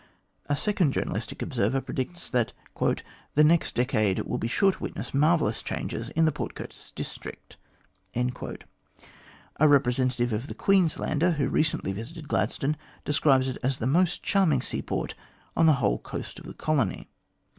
A second journalistic observer predicts that " the next decade will be sure to witness marvellous changes in the Port Curtis district." A representative of the Queenslander, who recently visited Gladstone, describes it as the most charming seaport on the whole coast of the colony.